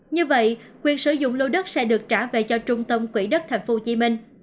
như vậy quyền sử dụng lô đất sẽ được trả về cho trung tâm quỹ đất tp hcm